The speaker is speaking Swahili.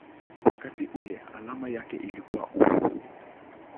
wakati ule alama yake ilikuwa µµ.